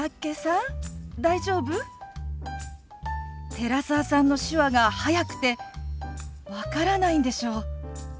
寺澤さんの手話が速くて分からないんでしょ。